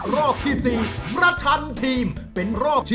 รอบที่๔จำนวน๑ยก